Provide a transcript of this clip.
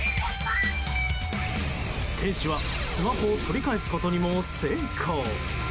店主はスマホを取り返すことにも成功。